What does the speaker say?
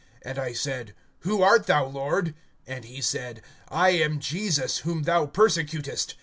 (15)And I said: Who art thou, Lord? And he said: I am Jesus, whom thou persecutest.